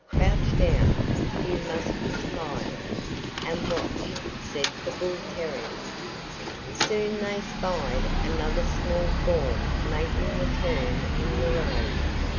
Crouch down, you must be tired, and watch," said the bull terrier. Soon they spied another small form making the turn in the road.